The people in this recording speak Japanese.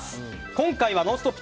今回は「ノンストップ！」